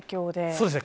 そうですね。